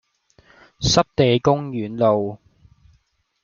濕地公園路